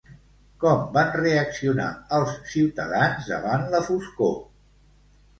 Com van reaccionar els ciutadans davant la foscor?